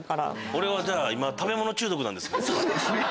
俺はじゃあ今食べ物中毒なんですね。